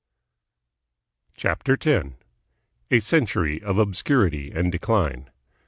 CHAPTER X. A CENTURY OF OBSCURITY AND DECLINE.